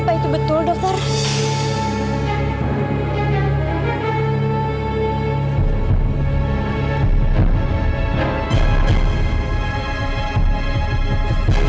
apa itu betul dokter